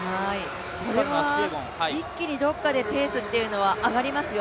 これは一気にどこかでペースというのは上がりますよ。